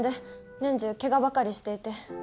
年中怪我ばかりしていて。